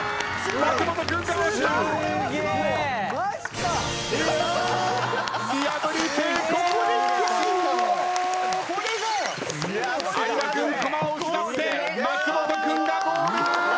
相葉君コマを失って松本君がゴール！